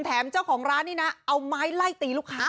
แถมเจ้าของร้านนี่นะเอาไม้ไล่ตีลูกค้า